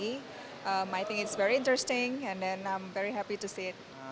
saya pikir itu sangat menarik dan saya sangat senang melihatnya